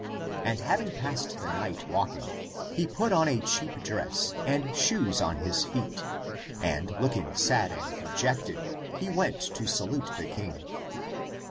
And having passed the night waking, he put ACTS OF THOMAS 307 on a cheap dress, and shoes on his feet, and, looking sad and dejected, he went to sakite the king.